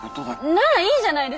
ならいいじゃないですか。